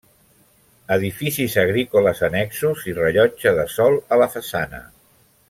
Edificis agrícoles annexos i rellotge de sol a la façana.